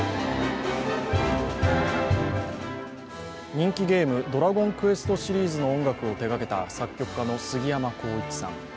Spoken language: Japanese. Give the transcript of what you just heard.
人気ゲーム「ドラゴンクエスト」シリーズの音楽を手がけた作曲家のすぎやまこういちさん。